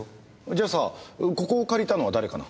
じゃあさここを借りたのは誰かな？